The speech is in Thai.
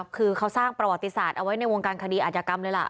คือเขาสร้างประวัติศาสตร์เอาไว้ในวงการคดีอาจยกรรมเลยล่ะ